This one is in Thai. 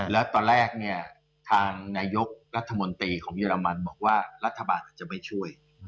แล้วตอนแรกเนี่ยทางนายกรัฐมนตรีของเยอรมันบอกว่ารัฐบาลอาจจะไม่ช่วย